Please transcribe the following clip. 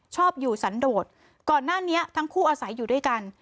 ชอบอยู่สันโดดก่อนหน้านี้ทั้งคู่อาศัยอยู่ด้วยกัน